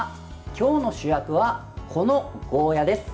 今日の主役はこのゴーヤーです。